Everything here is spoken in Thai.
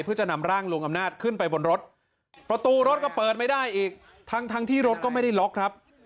เพื่อจะนำร่างลุงอำนาจขึ้นไปบนรถประตูรถก็เปิดไม่ได้อีกทั้งที่รถก็ไม่ได้ล็อกครับ